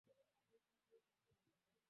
Mimi ni mwana-biashara